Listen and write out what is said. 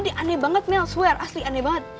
dia aneh banget mel swear asli aneh banget